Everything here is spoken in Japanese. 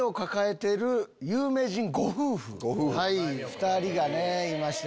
２人がいまして。